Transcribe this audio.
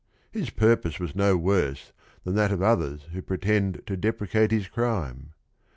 His purpose was no worse than that of others who pretend to depre cate his crime.